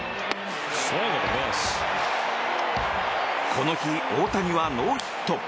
この日、大谷はノーヒット。